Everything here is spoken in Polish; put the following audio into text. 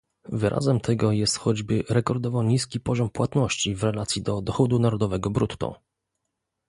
Wyrazem tego jest choćby rekordowo niski poziom płatności w relacji do dochodu narodowego brutto